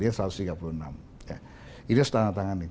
ini harus ditandatangani